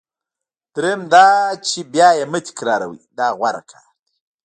دریم دا چې بیا یې مه تکراروئ دا غوره کار دی.